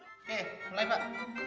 oke mulai pak